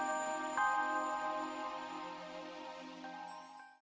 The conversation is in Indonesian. saya akan menanggungmu